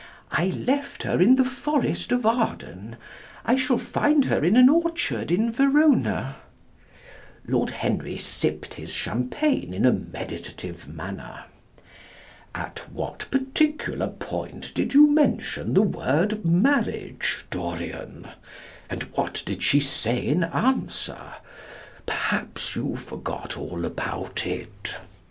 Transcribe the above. "I left her in the forest of Arden, I shall find her in an orchard in Verona." Lord Henry sipped his champagne in a meditative manner. "At what particular point did you mention the word marriage, Dorian? and what did she say in answer? Perhaps you forgot all about it."